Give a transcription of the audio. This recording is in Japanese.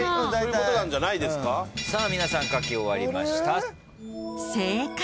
皆さん書き終わりました。